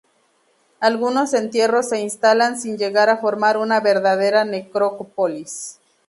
Algunos entierros se instalan sin llegar a formar una verdadera necrópolis.